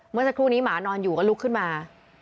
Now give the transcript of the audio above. เมื่อสักครู่นี้หมานอนอยู่ก็ลุกขึ้นมา